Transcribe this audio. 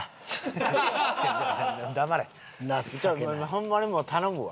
ホンマにもう頼むわ。